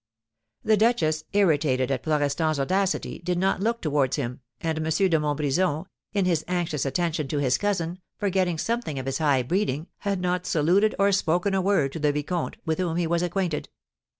The duchess, irritated at Florestan's audacity, did not look towards him, and M. de Montbrison, in his anxious attention to his cousin, forgetting something of his high breeding, had not saluted or spoken a word to the vicomte, with whom he was acquainted.